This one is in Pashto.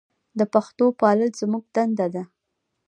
د پښتو پالل زموږ دنده ده.